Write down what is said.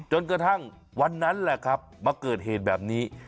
จนกระทั่งวันนั้นแหละครับมาเกิดเหตุแบบนี้